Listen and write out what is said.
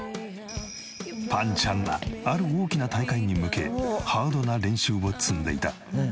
ぱんちゃんはある大きな大会に向けハードな練習を積んでいた。